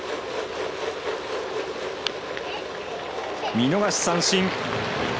見逃し三振。